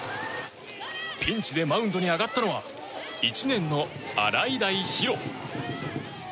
ピンチでマウンドに上がったのは１年の洗平比呂。